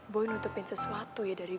boy nutupin sesuatu ya dari